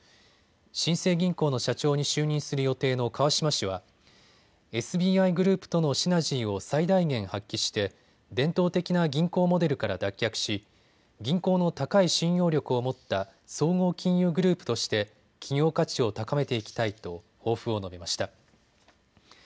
新生銀行の社長に就任する予定の川島氏はＳＢＩグループとのシナジーを最大限発揮して伝統的な銀行モデルから脱却し銀行の高い信用力を持った総合金融グループとして企業価値を高めていきたいと抱負を述べました。